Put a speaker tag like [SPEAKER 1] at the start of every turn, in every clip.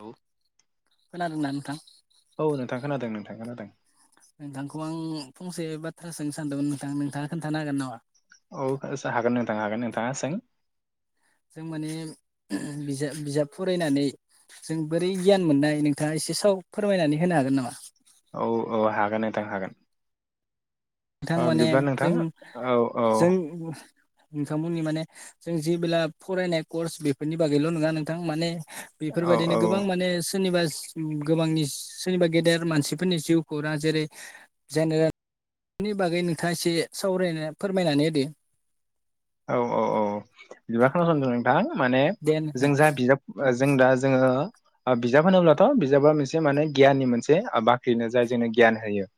[SPEAKER 1] औ
[SPEAKER 2] खोनादोंना नोंथां?
[SPEAKER 1] औ नोंथां खोनादों नोंथां खोनादों।
[SPEAKER 2] नोंथांखौ आं फंसे बाथ्रा सोंनो सानदोंमोन नोंथां नोंथाङा खोन्थानो हागोन नामा?
[SPEAKER 1] औ हागोन नोंथां हागोन नोंथाङा सों।
[SPEAKER 2] जों माने बिजाब बिजाब फरायनानै जों बोरै गियान मोननाय नोंथाङा एसे सेसाव फोरमायनानै होनो हागोन नामा?
[SPEAKER 1] औ औ हागोन नोंथां हागोन।
[SPEAKER 2] नोंथां
[SPEAKER 1] ओ
[SPEAKER 2] माने
[SPEAKER 1] बिदिब्ला नोंथां
[SPEAKER 2] जों
[SPEAKER 1] औ औ
[SPEAKER 2] जों नोंथांमोननि माने जों जेबोला फरायनाय कर्स बेफोरनि बागैल' नङा नोंथां माने बेफोरबायदिनो गोबां
[SPEAKER 1] औ
[SPEAKER 2] माने सोरनिबा उम गोबांनि सोरनिबा गेदेर मानसिफोरनि जिउ खौरां जेरै जेनेरेल बेनि बागै नोंथाङा एसे सावरायनो फोरमायनानै होदो
[SPEAKER 1] औ औ औ बिदिबा खोनासंदो नोंथां। माने
[SPEAKER 2] दे नोंथां
[SPEAKER 1] जों जा बिजाब जों दा जोङो ओ बिजाब होनोब्लाथ' बिजाबा मोनसे माने गियाननि मोनसे आ बाख्रिनो जाय जोंनो गियान होयो।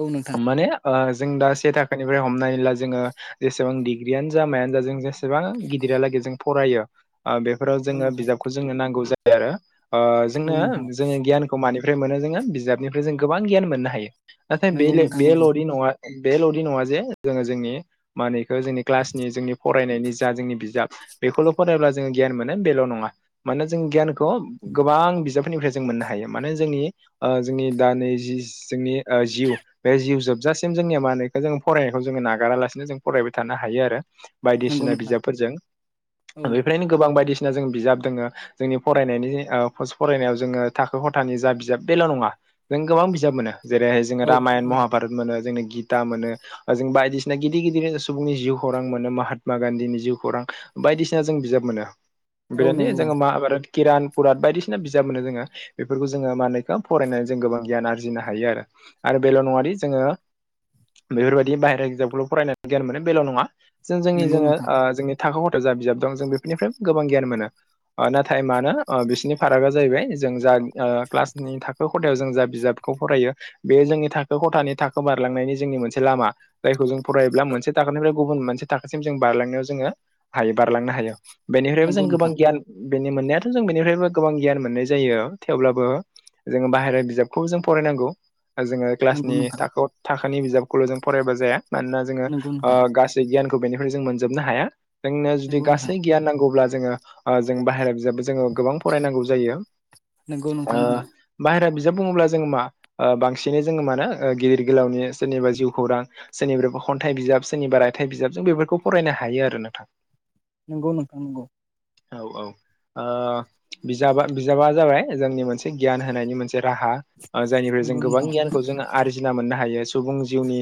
[SPEAKER 2] औ नोंथां।
[SPEAKER 1] माने ओ जों दा से थाखोनिफ्राय हमनानै ला जोङो जेसेबां डिग्रियानो जा मायानो जा जों जेस सेबां गिदिरालागै जों फरायो आ बेफोराव
[SPEAKER 2] औ
[SPEAKER 1] जोङो
[SPEAKER 2] नोंथां
[SPEAKER 1] बिजाबखौ जोंनो नांगौ जायो आरो। ओ
[SPEAKER 2] औ
[SPEAKER 1] जोंनो
[SPEAKER 2] नोंथां
[SPEAKER 1] जोङो गियानखौ मानिफ्राय मोनो जोङो बिजाबनिफ्राय जों गोबां गियान मोननो हायो। नाथाय बे
[SPEAKER 2] नंगौ
[SPEAKER 1] ले
[SPEAKER 2] नोंथां नंगौ
[SPEAKER 1] बेल'दि नङा बेल'दि नङा जे जोङो जोंनि मानिखो जों क्लासनि जोंनि फरायनायनि जा जोंनि बिजाब बेखौल' फरायब्ला जोङो गियान मोनो बेल' नङा मानोना जों गियानखौ गोबां बिजाबफोरनिफ्राय जों मोननो हायो माने जोंनि ओ जोंनि दा नै जि जोंनि ओ जिउ बे जिउ जोबजासिम जों माने खौ जों फरायनायखौ जों नागारालासिनो जों फरायबाय थानो हायो आरो
[SPEAKER 2] नंगौ
[SPEAKER 1] बायदिसिना
[SPEAKER 2] नोंथां
[SPEAKER 1] बिजाबफोरजों
[SPEAKER 2] औ
[SPEAKER 1] बेफोरबायदिनो गोबां बायदि सिना जों बिजाब दोङो जोंनि फरायनायनि ओ फस फरायनायाव जोङो थाखो खथानि जा बिजाब बेल' नङा नों गोबां बिजाब मोनो। जेरैहाय जोङो
[SPEAKER 2] औ
[SPEAKER 1] रामायन
[SPEAKER 2] औ
[SPEAKER 1] महाभारत मोनो जोंनो गिता मोनो जों बायदिसिना गिदिर गिदिर सुबुंनि जिउ खौरां मोनो महात्मा गान्धीनि जिउ खौरां बायदिसिना जों बिजाब मोनो।
[SPEAKER 2] औ
[SPEAKER 1] [unintelligible]
[SPEAKER 2] नंगौ
[SPEAKER 1] जोङो माहाभारत किरान पुराद बायदिसिना बिजाब मोनो जोङो बेफोरखौ जोङो मानेखौ फरायनानै जों गोबां गियान आरजिनो हायो आरो। आरो बेल' नङादि जोङो बेफोरबायदि बाहेरा बिजाबखौल' फरायनानै गियान मोनो बेल' नङा जों जोंनि
[SPEAKER 2] नंगौ
[SPEAKER 1] जोङो
[SPEAKER 2] नोंथां
[SPEAKER 1] ओ जोंनि थाखो खथायायाव जा बिजाब दं जों बेफोरनिफ्राय गोबां गियान मोनो। ओ नाथाय मानो ओ बिसनि फारागा जाहैबाय जों जा ओ क्लासनि थाखो खथायाव जों जा बिजाबखौ फरायो बे जोंनि थाखो खथानि थाखो बारलांनायनि जोंनि मोनसे लामा जायखौ जों फरायोब्ला मोनसे थाखोनिफ्राय गुबुन मोनसे थाखोसिम जों बारलांनायाव जोङो हायो बारलांनो हायो बेनिफ्रायबो
[SPEAKER 2] नंगौ
[SPEAKER 1] जों गोबां
[SPEAKER 2] नोंथां
[SPEAKER 1] गियान बेनि मोननायाथ' जों बेनिफ्रायबो गोबां गियान मोननाय जायो थेवब्लाबो जोङो बाहेरा बिजाबखौ जों फरायनांगौ। जोङो
[SPEAKER 2] नंगौ
[SPEAKER 1] क्लासनि
[SPEAKER 2] नोंथां
[SPEAKER 1] थाखोआव थाखोनि बिजाबखौल' जों फरायबा जाया मानोना जोङो
[SPEAKER 2] नंगौ
[SPEAKER 1] ओ
[SPEAKER 2] नोंथां
[SPEAKER 1] गा गियानखौ बेनिफ्राय जों मोनजोबनो हाया जोंनो जुदि
[SPEAKER 2] नंगौ
[SPEAKER 1] गासै गियान नांगौब्ला जोङो ओ जों बाहेरायाव बिजाबबो जोङो गोबां फरायनांगौ जायो। ओ
[SPEAKER 2] नोंथां नंगौ
[SPEAKER 1] बायहेरा बि दा बुङोब्ला जोङो मा ओ बांसिनै जोङो मानो ओ गिदिर गोलावनि सोरनिबा जिउ खौरां सोरनिब्रायबा खन्थाइ बिजाब सोरनिबा रायथाइ बिजाब जों बेफोरखौ फरायनो हायो आरो नोंथां।
[SPEAKER 2] नोंगौ नोंथां नोंगौ।
[SPEAKER 1] औ औ ओ बिजाबा बिजाबा जाबाय जोंनि मोनसे गियान होनायनि मोनसे राहा। आ जायनिफ्राय जों
[SPEAKER 2] नंगौ
[SPEAKER 1] गोबां
[SPEAKER 2] नोंथां
[SPEAKER 1] गियानखौ जों आरजिना मोननो हायो। सुबुं जिउनि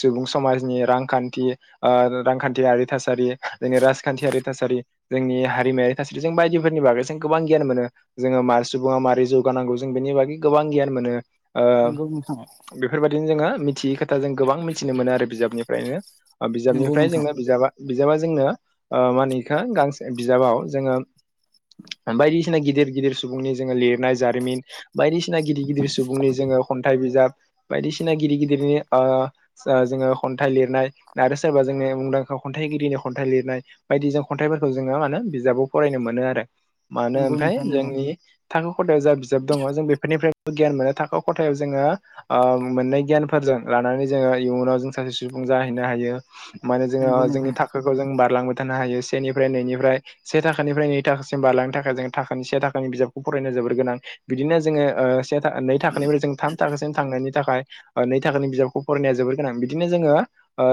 [SPEAKER 1] सुबुं समाजनि रांखान्थि ओ रांखान्थियारि थासारि जोंनि राजखान्थियारि थासारि जोंनि हारिमायारि थासारि जों बायदिफोरनि बागै जों गोबां गियान मोनो जोङो मार सुबुङा मारैगानांगौ जों बेनि बागै गोबां गियान मोनो। ओ
[SPEAKER 2] नंगौ नंगौ नोंथां
[SPEAKER 1] बेफोरबायदिनो जोङो मिथियै खोथा जों गोबां मिथिनो मोनो आरो बिजाबनिफ्रायनो।
[SPEAKER 2] नंगौ
[SPEAKER 1] बिजाबनिफ्राय
[SPEAKER 2] नोंथां
[SPEAKER 1] जोङो बिजाबा बिजाबा जोंनो मा होनो बिखौ गांसे बिजाबाव जोङो बायदिसिना गिदिर गिदिर सुबुंनि जोङो लिरनाय जारिमिन बायदिसिना गिदिर गिदिर सुबुंनि जोङो खन्थाइ बिजाब बायदिसिना गिदिर गिदिरनि ओ जोङो खन्थाइ लिरनाय आरो सोरबा जोंनि मुंदांखा खन्थाइगिरिनि खन्थाइ लिरनाय बायदिजों खन्थाइफोरखौ जोङो मा होनो बिजाबाव फरायनो मो नो आरो मानो
[SPEAKER 2] नंगौ
[SPEAKER 1] ओमफ्राय
[SPEAKER 2] नोंथां
[SPEAKER 1] जोंनि थाखो खथायायाव जा बिजाब दङ जों बेफोरनि गियान मोननो थाखो खथायाव जोङो ओ मोनै गियानफोरजों लानानै जोङो इयुनाव जों सासे सुबुं जाहै नो हायो माने जोङो जोंनि थाखोखौ बा रलांबाय थानो हायो सेनिफ्राय नैनिफ्राय से थाखानिफ्राय नै थाखासिम बारलांनो थाखाय जों थाखानि से थाखानि बिजाबखौ फरायनो जोबोर गोनां बिदिनो जोङो से नै थाखोनिफ्राय जों थाम थाखोसिम थांनायनि थाखाय नै थाखोनि बिजाबखौ फरायनाया जोबोर गोनां बिदिनो जोङो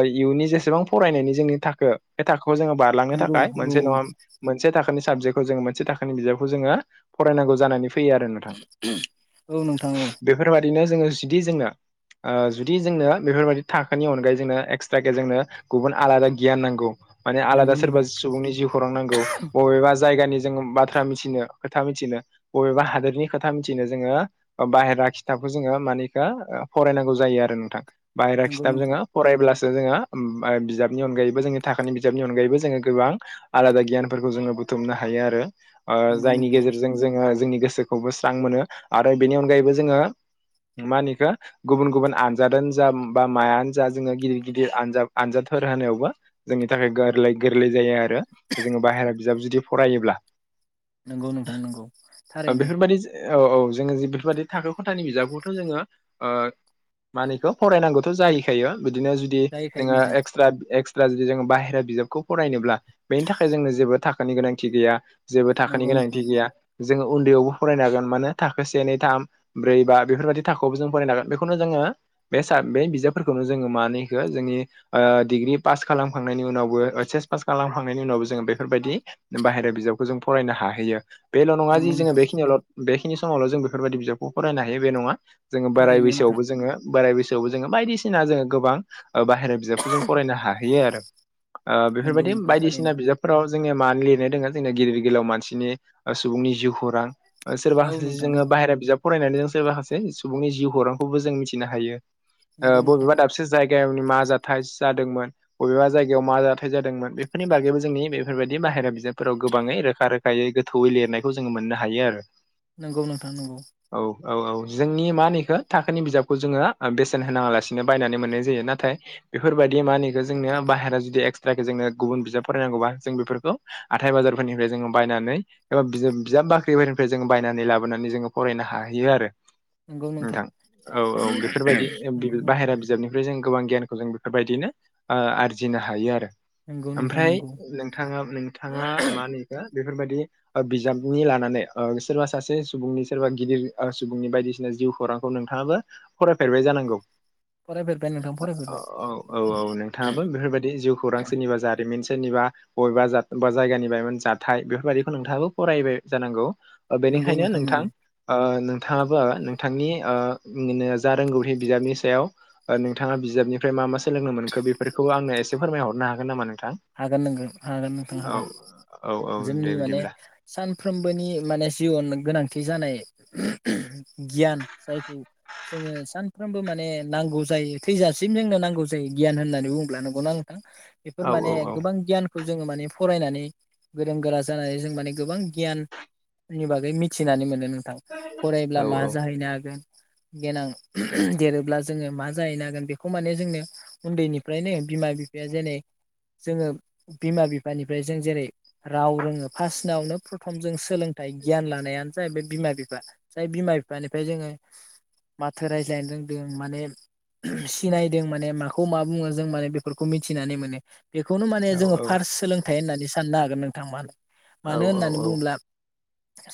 [SPEAKER 1] इयुननि जेसेबां फरायनायनि जोंनि थाखो बे थाखो खौ जोङो बारलांनो
[SPEAKER 2] नंगौ नोंथां नंगौ नोंथां नंगौ
[SPEAKER 1] थाखाय
[SPEAKER 2] औ
[SPEAKER 1] मोनसे नङा मोनसे थाखोनि साबजेकखौ जोङो मोनसे थाखोनि बिजाबखौ जोङो फरायनांगौ जानानै फैयो आरो नोंथां।
[SPEAKER 2] औ नोंथां औ
[SPEAKER 1] बेफोरबाय दिनो जोङो जुदि जोंनो ओ जुदि जोंनो बेफोरबायदि थाखोनि अनगायै जोंनो एक्सट्राके जोंनो गुबुन आलादा गियान नांगौ माने
[SPEAKER 2] नंगौ
[SPEAKER 1] आलादा सोरबा
[SPEAKER 2] नोंथां
[SPEAKER 1] सुबुंनि जिउ खौरां नांगौ बबेबा जायगानि जोङो बाथ्रा मिथिनो खोथा मिथिनो बबेबा हादोरनि खोथा मिथिनो जोङो बायेरा खिताबखौ जोङो मानि बेखौ फरायनांगौ जायो आरो नोंथां बायहेरा
[SPEAKER 2] नंगौ
[SPEAKER 1] खिथाब
[SPEAKER 2] नोंथां
[SPEAKER 1] जोङो फरायब्ला सो जोङो बिजाबनि अनगायैबो जोंनि थाखानि बिजाबनि अनगायैबो जोङो गोबां आलाद गियानफोरखौ जोङो बुं थुमनो हायो आरो ओ
[SPEAKER 2] नंगौ
[SPEAKER 1] जायनि
[SPEAKER 2] नोंथां
[SPEAKER 1] गेजेरजों जोङो जोंनि गोसो खौबो स्रां मोनो आरो बेनि अनगायैबो जोङो मा होनो इखो गुबुन गुबुन आनजादानो जा बा मायानो जा जोङो गिदिर गिदिर आनजाद आनजादफोर होनायावबो जोंनि थाखाय गोरलै गोरलै जायो जोङो बाहेरा बिजाब जुदि फरायोब्ला
[SPEAKER 2] नंगौ नोंथां नंगौ थारैनो
[SPEAKER 1] बेफोरबायदि औ औ जोङोे बेफोरबायदि थाखो खथानि बिजाबखौथ' जोङो मानो इखौ फरायनांगौथ' जाहैखायो बिदिनो जुदि
[SPEAKER 2] जाहैखायो
[SPEAKER 1] जोङो
[SPEAKER 2] नोंथां
[SPEAKER 1] एक्सट्रा जुदि जोङो बाहेरा बिजाबखौ फरायनोब्ला बेनि थाखाय जोंनो जेबो थाखानि गोनांथि गैया जेबो थाखोनि
[SPEAKER 2] नंगौ
[SPEAKER 1] गोनांथि
[SPEAKER 2] नोंथां
[SPEAKER 1] गैया जोङो उन्दैयावबो फरायनो हागोन मानो थाखो से नै थाम ब्रै बा बेफोरबायाददि थाखोआवबो जों फरायनो हागोन बेखौनो जोङो बे बे बिजाबफोरखौनो जोङो मानो जोंनि डिग्रि पास खालामखांनायनि उनावबो ओइस एस पास खालामखांनायनि उनावबो जोङो बेफोरबायदि बाहेरा बिजाबखौ जों फरायनो हाहैयो बेल' नङा जि
[SPEAKER 2] नंगौ
[SPEAKER 1] जोङो
[SPEAKER 2] नोंथां
[SPEAKER 1] बेखिनियावल' बेखिनि समावल' जों बेफोरबायदि बिजाबखौ फरायनो हायो बे नङा जोङो बोराय
[SPEAKER 2] थारैनो नोंथां
[SPEAKER 1] बैसोआवबो जोङो बोराय बैसोआवबो जोङो बायदिसिना जोङो गोबां ओ बाहेरा बिजाबखौ जों फरायनो हाहैयो आरो
[SPEAKER 2] नंगौ
[SPEAKER 1] बेफोरबायदि
[SPEAKER 2] नोंथां थारैनो
[SPEAKER 1] बायदिसिना बिजाबफोराव जोंनिया मानो लिरनाय दोङो जोंनिया गिदिर गोलाव मानसिनि सुबुंनि जिउ खौरां
[SPEAKER 2] औ
[SPEAKER 1] सोरबा सासे
[SPEAKER 2] नोंथां औ
[SPEAKER 1] जोङो बाहेरा बिजाब फरायनानै जों सोरबा सासे सुबुंनि जिउ खौरांखौबो जों मिथिनो हायो ओ
[SPEAKER 2] नंगौ नोंथां
[SPEAKER 1] बबेबा दाबसे जायगानि मा जाथाय जादोंमोन बबेबा जायगायाव मा जाथाय जादोंमोन बेफोरनि बागैबो जोंनि बेफोरबायदि बाहेरा बिजाबफोराव गोबाङै रोखा रोखायै गोथौयै लिरनायखौ जोङो मोननो हायो आरो
[SPEAKER 2] नंगौ नोंथां नंगौ
[SPEAKER 1] औ औ औ जोंनि मानो इखौ थाखोनि बिजाबखौ जोङो बेसेन होनाङा लासिनो बायनानै मोननाय जायो नाथाय बेफोरबायदि मा होनो जोंनो बाहेरा जुदि एक्सट्रा जोंनो गुबुन बिजाब फरायनांगौबा जों बेफोर हाथाय बाजारफोरनिफ्राय जोङो बायनानै एबा बिजाब बाख्रिफोरनिफ्राय जों बायनानै लाबोनानै जों फराय रायनो हाहैयो आरो नोंथां औ औ
[SPEAKER 2] नंगौ
[SPEAKER 1] बेफोरबायदि
[SPEAKER 2] नोंथां
[SPEAKER 1] बाहेरा बिजाबनि जों गोबां गियानखौ जों बेफोरबायदिनो आरजिनो हायो आरो।
[SPEAKER 2] नंगौ नोंथां
[SPEAKER 1] ओमफ्राय
[SPEAKER 2] नंगौ
[SPEAKER 1] नोंथाङा नोंथाङा मा नैखौ बेफोरबायदि बिजाबनि लानानै सोरबा सासे सुबुंनि सोरबा गिदिर सुबुंनि बायदिसिना जिउ खौरांखौ नोंथाङाबो फरायफेरबाय जानांगौ।
[SPEAKER 2] फरायफेरबाय नोंथां फरायफेरबाय
[SPEAKER 1] औ औ औ नोंथाङाबो बेफोरबायदि जिउ खौरां सोरनिबा जारिमिन सोरनिबा बबेबा बा जायगानि जाथाय बेफोरबायदिखौ नोंथाङाबो फरायबाय जानांगौ
[SPEAKER 2] नंगौ
[SPEAKER 1] बेनिखायनो नोंथां
[SPEAKER 2] नंगौ
[SPEAKER 1] नोंथाङाबो नोंथांनि जा रोंगौथि बिजाबनि सायाव नोंथाङा बिजाबनिफ्राय मा मा सोलोंनो मोनखो बेफोरखौ आंनो एसे फोरमायहरनो हागोन नामा नों
[SPEAKER 2] हागोन नोंगोन हागोन नोंथां हागोन
[SPEAKER 1] औ औ दे
[SPEAKER 2] जोंनि माने
[SPEAKER 1] बिदिब्ला
[SPEAKER 2] सान सानफ्रोमबोनि माने जिउआव गोनांथि जानाय गियान जायखौ जोङो सानफ्रोमबो माने नांगौ जायो थैजासिम जोंनो नांगौ जायो गियान होननानै बुङोब्ला नंगौ ना नोंथां। बेफोर
[SPEAKER 1] औ औ
[SPEAKER 2] माने
[SPEAKER 1] औ
[SPEAKER 2] गोबां गियानखौ जोङो माने फरायनानै गोरों गोरा जानानै जों माने गोबां गियान आनि बागै मिथिनानै मोनो नोंथां
[SPEAKER 1] औ
[SPEAKER 2] फरायब्ला मा जाहैनो हागोन। देनां देरोब्ला जोङो मा जाहैनो हागोन बेखौ माने जोंनो उन्दैनिफ्रायनो बिमा बिफाया जेन जोङो बिमा बिफानिफ्राय जों जेरै राव रोङो फार्स्नावनो प्रथम जों सोलोंथाइ गियान लानायानो जाहै बे बिमा बिफा जाय बिमा बिफानिफ्राय जोङो माथो रायज्लायनो रोंदों माने सिनायदों माने माखौ मा बुङो जों माने बेफोरखौ मिथिनानै माने बेखौनो माने
[SPEAKER 1] औ
[SPEAKER 2] जोङो
[SPEAKER 1] औ
[SPEAKER 2] फार्स्ट सोलोंथाइ होननानै साननो हागोन नोंथांमोना मानो
[SPEAKER 1] औ
[SPEAKER 2] होननानै बुङोब्ला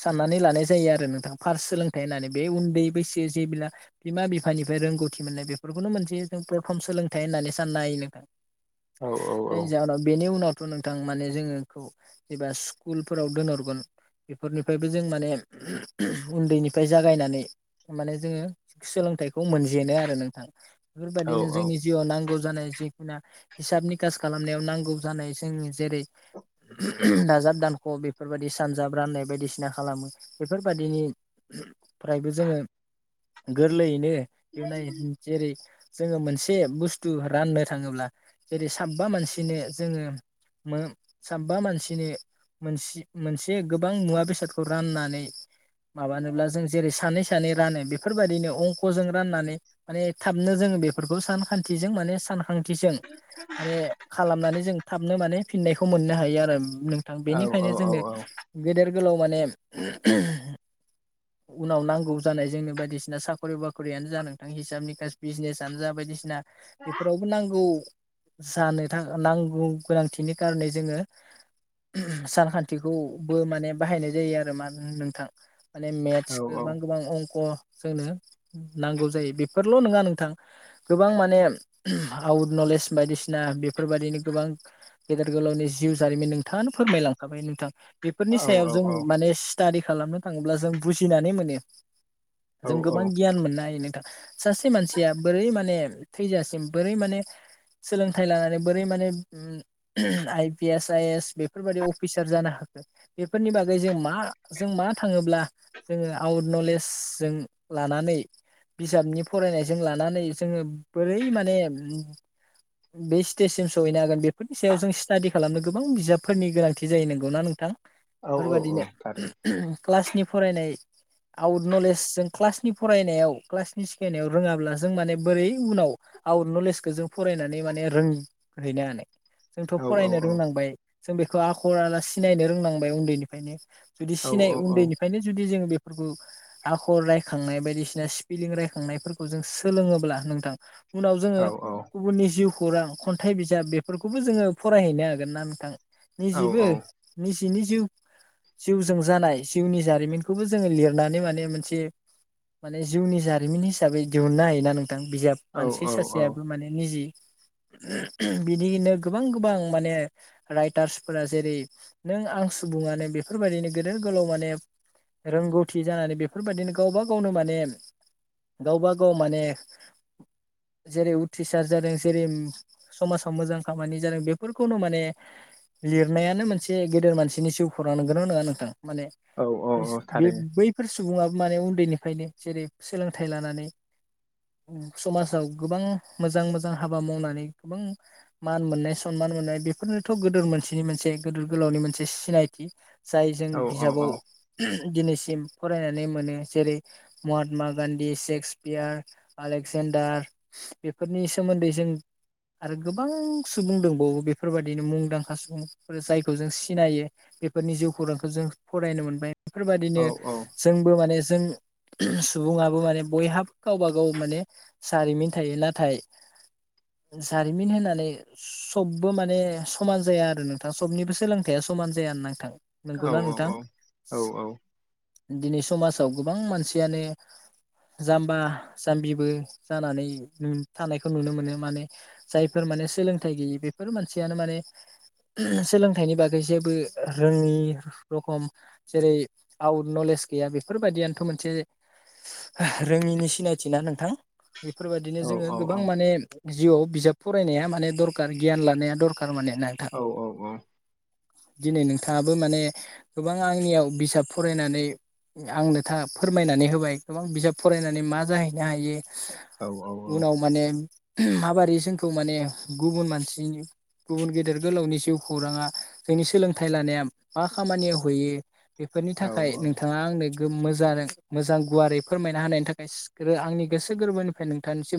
[SPEAKER 2] साननानै लानाय जायो आरो नोंथां फार्स्ट सोलोंथाइ होननानै बे उन्दै बैसो जे बिला बिमा बिफानि निफ्राय रोंगौथि मोननाय बेफोरखौनो मोनसे जों प्लटफर्म सोलोंथाइ होननानै साननाय हायो नोंथां।
[SPEAKER 1] औ औ
[SPEAKER 2] जायनि जाहोनाव बेनि उनावथ' नोंथां माने जोङोखौ जेबा स्कुलफोराव दोनहरगोन बेफोरनिफ्रायबो जों माने उनदैनिफ्राय जागायनानै माने सोलों थाइखौ मोनजेनो आरो नोंथां
[SPEAKER 1] औ
[SPEAKER 2] बेफोरबायदिनो
[SPEAKER 1] औ
[SPEAKER 2] जोंनि जिउयाव नांगौ जानाय जिखुना हिसाबनि खास खालामनायाव नांगौ जानाय जों जेरै दाजाब दानख' बेफोरबायाददि सानजाब राननाय बायदिसिना खालामो बेफोर बायदिनि फ्रायबो जोङो गोरलैयैनो जेरै जोङो मोनसे बुसथु राननो थाङोब्ला जेरै साबा मानसिनो जोङो साबा मानसिनो मोनसे मोनसे गोबां मुवा बेसादखौ राननानै माबानोब्ला जों जेरै सानै सानै नै रानो बेफोरबायाददिनो अंकजों राननानै माने थाबनो जोङो बेफोरखौ सानखानथिजों माने सानखां थिजों खालामनानै जों थाबनो माने फिननायखौ मोननो हायो आरो। नोंथां बेनिखायनो जोंनो
[SPEAKER 1] औ
[SPEAKER 2] गेदेर गोलाव माने उनाव नांगौ जानाय जोंनो बायदिसिना साखरि बाखरियानो जा नोंथां हिसाबनि बिजनेसानो जा बायदिसिना बेफोरावबो नांगौ जानो थाखाय नांगौ गोनांथिनि खार'नै जोङो सानखानथिखौबो माने बाहायनाय जायो आरो मा नोंथां? माने
[SPEAKER 1] औ
[SPEAKER 2] मेथ्सखौ गोबां गोबां अंक जोंनो नांगौ जायो बेफोरल' नङा नोंथां गोबां माने आउट नलेज बायदिसिना बेफोरबायदिनो गोबां गेदेर गोलावनि जिउ जारिमिन नोंथाङानो फोरमायलांखाबाय नोंथां।
[SPEAKER 1] औ
[SPEAKER 2] बेफोरनि सायाव जों माने स्टाडि खालामनो थाङोब्ला जों बुजिनानै मोनो।
[SPEAKER 1] औ
[SPEAKER 2] जों गोबां गियान मोननो हायो नों थां सासे मानसिया बोरै माने थैजासिम बोरै माने सोलोंथाइ लानानै बोरै माने I P S I S बेफोरबायाददि अफिसार जानो हाखो बेफोरनि बागै जों मा जों मा थाङोब्ला जोङो आउट नलेज जों ला नानै बिजाबनि फरायनायजों लानानै जोङो बोरै माने बे स्टेजसिम सहैनो हागोन बेफोरनि सायाव जों स्टाडि खालामनो गोबां बिजाबफोरनि गोनांथि जायो नांगौना नोंथां?
[SPEAKER 1] औ औ
[SPEAKER 2] बेफोरबादिनो
[SPEAKER 1] थारै
[SPEAKER 2] क्लासनि फरायनाय आउट नलेज जों क्लासनि फरायनायाव क्लासनि सिखायनायाव रोङाब्ला जों माने बोरै उनाव आउट नलेजखौ जों फरायनानै नै माने रोंहैनो हानाय जोंथ'
[SPEAKER 1] औ औ
[SPEAKER 2] फरायनो रोंनांबाय जों बेखौ आखरराला सिनायनो रोंलांबाय उनदैनिफ्रायनो जुदि
[SPEAKER 1] औ
[SPEAKER 2] सिनाय उनदैनिफ्रायनो जुदि जोङो बेफोरखौ आखर रायखांनाय बायदिसिना स्पिलिं रायखांनायफोरखौ जों सोलोङोब्ला नोंथां उनाव जोङो
[SPEAKER 1] औ औ
[SPEAKER 2] गुबुननि जिउ खौरां खनथाइ बिजाब बेफोरखौबो जोङो फरायहैनो हागोन ना नोंथां
[SPEAKER 1] औ
[SPEAKER 2] निजिबो निज नि जिउ जिउजों जानाय जिउनि जारिमिनखौबो जोङो लिरनानै माने मोनसे माने जिउनि जारिमिन हिसाबै दिहुननो हायोना नोंथां बिजाब
[SPEAKER 1] औ
[SPEAKER 2] मानसि सासेयाबो माने निजि [inaudible] बिदिनो गोबां गोबां माने राइटार्सफोरा जेरै नों आं सुब बुङानो बेफोरबायदिनो गेदेर गोलाव माने रोंगौथि जानानै बेफोरबायदिनो गावबा गावनो माने गावबागाव माने जेरै उथ्रिसार जादों जेरै समाजाव मोजां खामानि जादों बेफोरखौनो माने लिरनायानो मोनसे गेदेर मानसिनि जिउखौरां नंगौना नङा नोंथां माने
[SPEAKER 1] औ औ
[SPEAKER 2] बे
[SPEAKER 1] थारैनो
[SPEAKER 2] बैफोर सुबुङा माने उनदैनिफ्रायनो जेरै सोलोंथाइ लानानै समाजाव गोबां मोजां मोजां हाबा मावनानै गोबां मान मोननाय सनमान मोननाय बेफोरनोथ' गोदोर मोनसेनि मोनसे गोदोर गोलावनि मोनसे सिनायथि जाय जों
[SPEAKER 1] औ औ
[SPEAKER 2] बिजाबाव दिनैसिम फरायनानै मोनो जेरै महात्मा गान्धी सेक्सपियार आलेक्जेनड डार बेफोरनि सोमोन्दै जों आरो गोबां सुबुं दंबावो बेफोरबादिनो मुंदांखा सुबुंफोर जायखौ जों सिनायो बेफोरनि जिउ खौरांखौ जों फरायनो मोनबाय बेफोरबायादिनो जोंबो माने जों सुबुङाबो माने बयहाबो गावबा गाव माने जारिमिन थायो नाथाय [inaudible] जारिमिन होननानै सबबो माने समान जाया आरो नोंथां सबनिबो सोलोंथाया समाज जाया नोंथां नोंगौना
[SPEAKER 1] औ
[SPEAKER 2] नोंथां दिनै समाजाव गोबां मानसियानो जाम्बा जाम्बिबो जानानै थानायखौ नुनो मोनो माने जायफोर माने सोलोंथाइ गैयि बेफोर मानसियानो माने सोलोंथाइनि बागै जेबो रोङि रखम जेरै आउट नलेज गैया बेफोरबादियानोथ' मोनसे रोङिनि सिनायथि ना नोंथां
[SPEAKER 1] औ
[SPEAKER 2] बेफोरबादिनो जोङो गोबां
[SPEAKER 1] औ
[SPEAKER 2] माने जिउआव बिजाब फरायनाया माने दरखार गियान लानाया दरखार थारमानि नोंथां
[SPEAKER 1] औ
[SPEAKER 2] दिनै नोंथाङाबो माने गोबां आंनियाव बिजाब फरायनानै आंनो था फोरमायनानै होबाय गोबां बिजाब फरायनानै मा जाहैनो हायो
[SPEAKER 1] औ औ औ
[SPEAKER 2] उनाव माने माबोरै जोंखौ माने गुबुन मानसिनि गुबुन गेदेर गोलावनि जिउ खौराङा जोंनि सोलोंथाइ लानाया मा खामानियाव हैयो बेफोरनि
[SPEAKER 1] औ
[SPEAKER 2] थाखाय
[SPEAKER 1] औ
[SPEAKER 2] नोंथाङा आंनो मोजां गुवारै फोरमायना होनायनि थाखाय आंनि गोसो गोरबोनिफ्राय नोंथांनिसिम